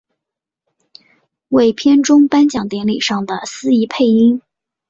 为片中颁奖典礼上的司仪配音。